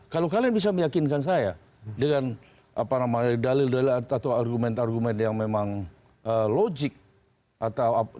kalau kalian bisa meyakinkan saya dengan dalil dalil atau argumen argumen yang memang logik atau apa